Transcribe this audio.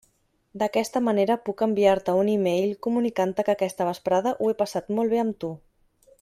D'aquesta manera puc enviar-te un e-mail comunicant-te que aquesta vesprada ho he passat molt bé amb tu.